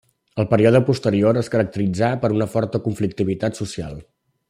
El període posterior es caracteritzà per una forta conflictivitat social.